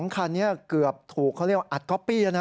คันนี้เกือบถูกเขาเรียกว่าอัดก๊อปปี้แล้วนะ